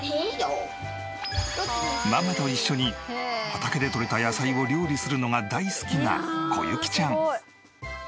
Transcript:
ママと一緒に畑で採れた野菜を料理するのが大好きなこゆきちゃん。